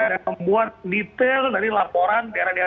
dan membuat detail dari laporan daerah daerah mana sekali